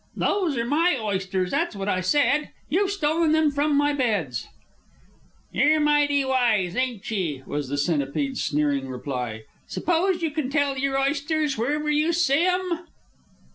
"Those are my oysters that's what I said. You've stolen them from my beds." "Yer mighty wise, ain't ye?" was the Centipede's sneering reply. "S'pose you can tell your oysters wherever you see 'em?"